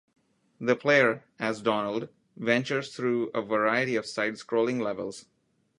The player, as Donald, ventures through a variety of side-scrolling levels.